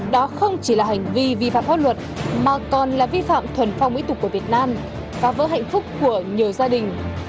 đó không chỉ là hành vi vi pháp luật mà còn là vi phạm thuần phong ủy tục của việt nam và vỡ hạnh phúc của nhiều gia đình